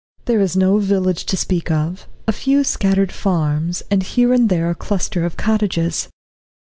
There is no village to speak of a few scattered farms, and here and there a cluster of cottages.